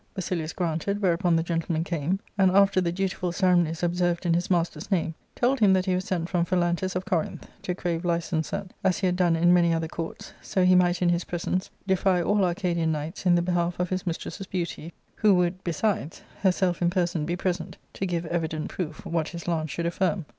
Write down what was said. Basilius granted, whereupon the gentle man came, and after the dutiful ceremonies observed in his master's name, told him that he was sent from Phajajitus of Corinth to crave license that, as he had done in many other ^courts, so he might in his presence defy all Arcadian knights in the behalf of his mistress's beauty, who would, besides, herself in person be present, to give evident proof what his lance should affinn.